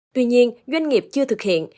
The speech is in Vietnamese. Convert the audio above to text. tuy nhiên doanh nghiệp chưa thực hiện